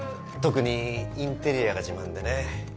特にインテリアが自慢でね。